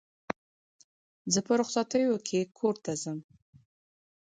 زه په رخصتیو کښي کور ته ځم.